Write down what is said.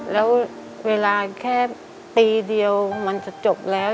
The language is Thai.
แล้วเวลาแค่ปีเดียวมันจะจบแล้ว